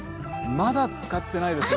まだ使ってないですね。